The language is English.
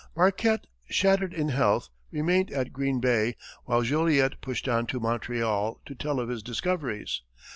Marquette, shattered in health, remained at Green Bay, while Joliet pushed on to Montreal to tell of his discoveries.